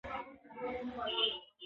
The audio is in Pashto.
احمدشاه بابا د ولس د ستونزو اورېدونکی و.